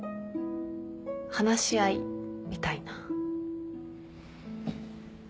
話し合いみたいな。